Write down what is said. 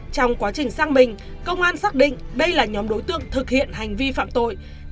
trong quá trình sang mình công an xác định đây là nhóm đối tượng thực hiện hành vi phạm tội